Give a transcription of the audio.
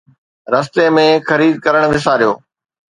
رستي ۾ خريد ڪرڻ وساريو